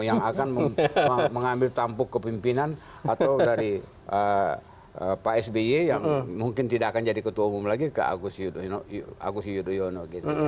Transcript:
yang akan mengambil tampuk kepimpinan atau dari pak sby yang mungkin tidak akan jadi ketua umum lagi ke agus yudhoyono